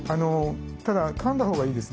ただかんだほうがいいですね。